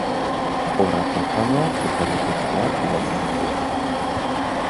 Obra profanoak eta erlijiozkoak idatzi zituen.